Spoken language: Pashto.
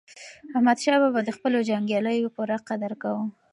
احمدشاه بابا د خپلو جنګیالیو پوره قدر کاوه.